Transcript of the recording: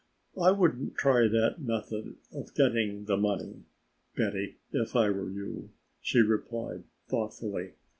"I wouldn't try that method of getting the money, Betty, if I were you," she replied thoughtfully.